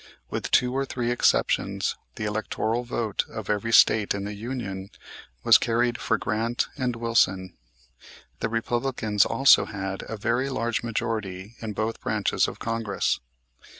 With two or three exceptions the electoral vote of every state in the Union was carried for Grant and Wilson. The Republicans also had a very large majority in both branches of Congress.